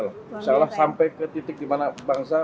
misalnya sampai ke titik di mana bangsa